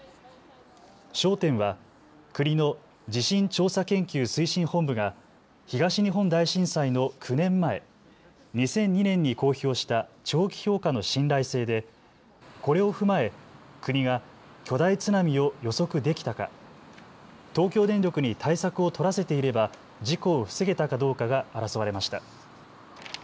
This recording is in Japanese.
焦点は国の地震調査研究推進本部が東日本大震災の９年前２００２年に公表した長期評価の信頼性でこれを踏まえ国が巨大津波を予測できたか、東京電力に対策を取らせていれば事故を防げたかどうかが争われました。